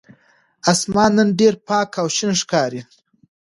آسمان نن ډېر پاک او شین ښکاري.